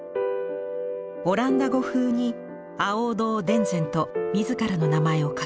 オランダ語風に亜欧堂田善と自らの名前を書き込んでいます。